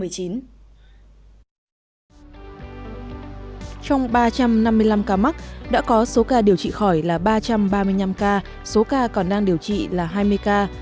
trong ba trăm năm mươi năm ca mắc đã có số ca điều trị khỏi là ba trăm ba mươi năm ca số ca còn đang điều trị là hai mươi ca